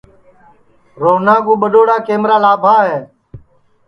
روہنا کُو ٻڈؔوڑا کمرا لابھا ہے